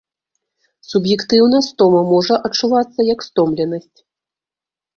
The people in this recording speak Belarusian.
Суб'ектыўна стома можа адчувацца як стомленасць.